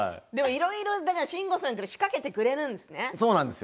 いろいろ慎吾さんが仕掛けてくれるんですね。